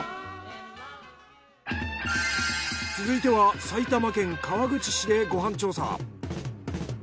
続いては埼玉県川口市でご飯調査。